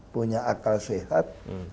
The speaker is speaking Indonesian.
punya akal sehat